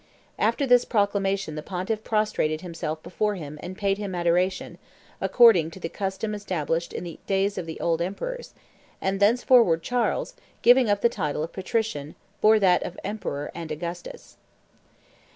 After this proclamation the pontiff prostrated himself before him and paid him adoration, according to the custom established in the days of the old emperors; and thenceforward Charles, giving up the title of patrician, bore that of Emperor and Augustus."